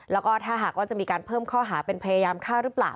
แล้วก็ถ้าหากว่าจะมีการเพิ่มข้อหาเป็นพยายามฆ่าหรือเปล่า